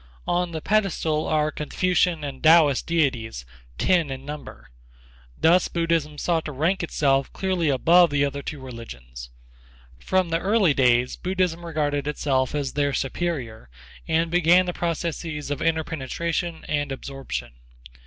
On the pedestal are Confucian and Taoist deities, ten in number. Thus Buddhism sought to rank itself clearly above the other two religions. From the early days Buddhism regarded itself as their superior and began the processes of interpenetration and absorption.